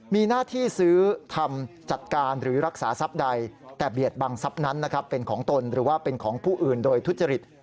มีหน้าที่ซื้อทำจัดการหรือรักษาทรัพย์ใดแต่เบียดบังทรัพย์นั้นเป็นของตนหรือว่าเป็นของผู้อื่นโดยทุจริต